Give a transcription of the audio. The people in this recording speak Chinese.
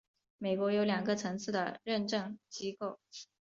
美国有两个层次的认证机构。